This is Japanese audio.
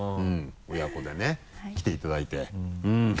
親子でね来ていただいて。